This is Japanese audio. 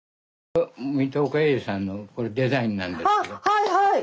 はいはい！